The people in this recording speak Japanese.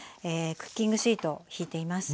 クッキングシート引いています。